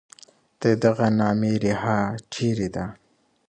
د دغي نامې ریښه چېري ده؟